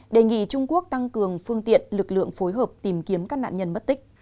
đề nghị trung quốc tăng cường phương tiện lực lượng phối hợp tìm kiếm các nạn nhân bất tích